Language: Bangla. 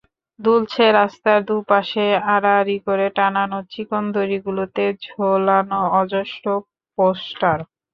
দুলছে রাস্তার দুই পাশে আড়াআড়ি করে টানানো চিকন দড়িগুলোতে ঝোলানো অজস্র পোস্টার।